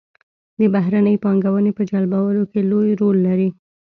د بهرنۍ پانګونې په جلبولو کې لوی رول لري.